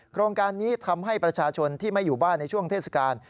โครงการนี้ทำให้ประชาชนที่ไม่อยู่บ้านในช่วงเทศกาล